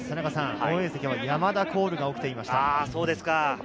応援席からは山田コールが起きていました。